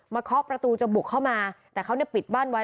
เคาะประตูจะบุกเข้ามาแต่เขาเนี่ยปิดบ้านไว้